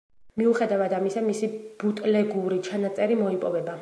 მიუხედავად ამისა, მისი ბუტლეგური ჩანაწერი მოიპოვება.